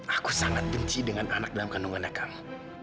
aku sangat benci dengan anak dalam kandungannya kamu